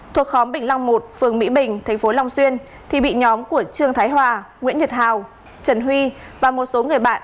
thuộc khóm bình long một phường mỹ bình tp long xuyên thì bị nhóm của trương thái hòa nguyễn nhật hào trần huy và một số người bạn